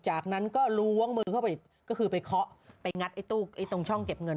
จากนั้นก็ล้วงมือเข้าไปก็คือไปเคาะไปงัดไอ้ตู้ตรงช่องเก็บเงิน